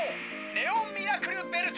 ネオ・ミラクルベルト！